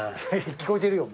聞こえてるよ。